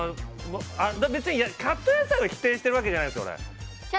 別にカット野菜を否定してるわけじゃないんです。